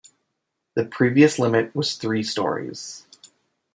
The previous limit was three stories.